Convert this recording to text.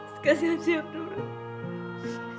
sikasih aja bu rt